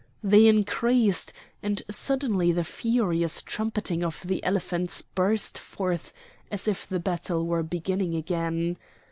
They increased, and suddenly the furious trumpeting of the elephants burst forth as if the battle were beginning again.